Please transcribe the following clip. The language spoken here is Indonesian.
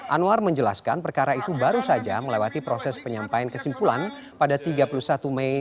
anwar menjelaskan perkara itu baru saja melewati proses penyampaian kesimpulan pada tiga puluh satu mei